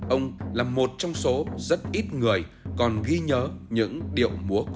ông là một trong số rất ít người còn ghi nhớ những điệu múa cổ